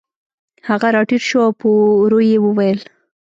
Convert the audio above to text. هغه راټیټ شو او په ورو یې وویل